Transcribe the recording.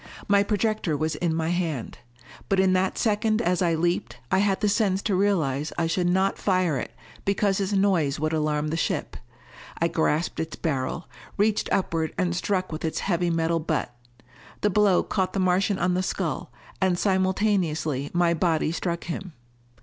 My projector was in my hand. But in that second as I leaped, I had the sense to realize I should not fire it because its noise would alarm the ship. I grasped its barrel, reached upward and struck with its heavy metal butt. The blow caught the Martian on the skull, and simultaneously my body struck him.